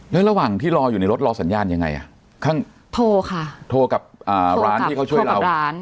แล้วระหว่างที่รออยู่ในรถรอสัญญาณยังไงอ่ะทอค่ะทอกับร้านที่เขาช่วยเรา